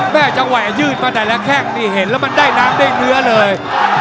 จังหวะยืดมาแต่ละแข้งนี่เห็นแล้วมันได้น้ำได้เนื้อเลย